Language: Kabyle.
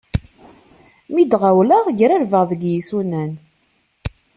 Mi ɣawleɣ, grarbeɣ deg yisunan.